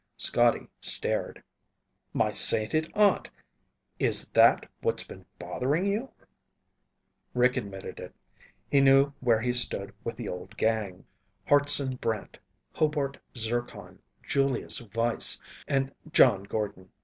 Scotty stared. "My sainted aunt! Is that's what's been bothering you?" Rick admitted it. He knew where he stood with the old gang, Hartson Brant, Hobart Zircon, Julius Weiss, and John Gordon.